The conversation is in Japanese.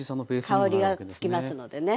香りが付きますのでね。